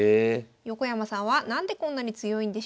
横山さんは何でこんなに強いんでしょうか。